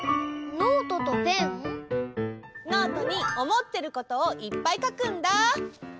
ノートにおもってることをいっぱいかくんだ！